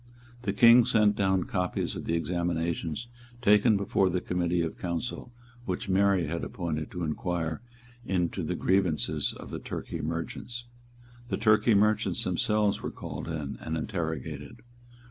The King sent down copies of the examinations taken before the Committee of Council which Mary had appointed to inquire into the grievances of the Turkey merchants. The Turkey merchants themselves were called in and interrogated.